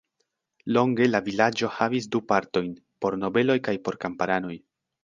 Longe la vilaĝo havis du partojn, por nobeloj kaj por kamparanoj.